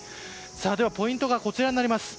ではポイントがこちらになります。